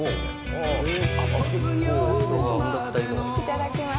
いただきます。